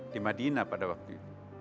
di madinah pada waktu itu